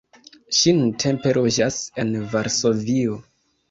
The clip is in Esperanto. Ŝi nuntempe loĝas en Varsovio.